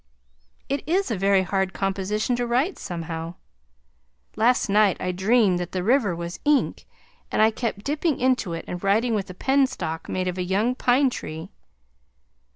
It is a very hard composition to write, somehow. Last night I dreamed that the river was ink and I kept dipping into it and writing with a penstalk made of a young pine tree.